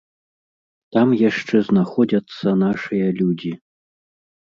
Там яшчэ знаходзяцца нашыя людзі.